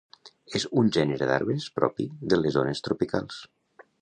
És un gènere d'arbres propi de les zones tropicals.